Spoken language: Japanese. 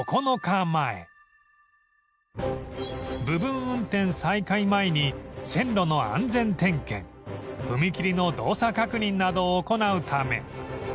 部分運転再開前に線路の安全点検踏切の動作確認などを行うため